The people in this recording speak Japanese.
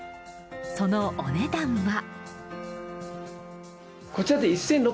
そのお値段は。